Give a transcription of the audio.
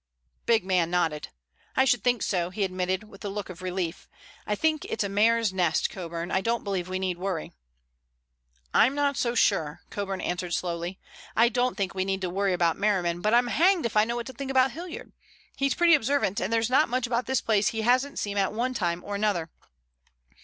The big man nodded. "I should think so," he admitted, with a look of relief. "I think it's a mare's nest, Coburn. I don't believe we need worry." "I'm not so sure," Coburn answered slowly. "I don't think we need worry about Merriman, but I'm hanged if I know what to think about Hilliard. He's pretty observant, and there's not much about this place that he hasn't seen at one time or another."